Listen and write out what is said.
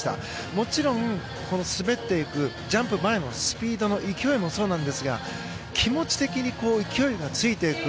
もちろん滑っていくジャンプ前のスピードの勢いもそうなんですが気持ち的に勢いがついていく。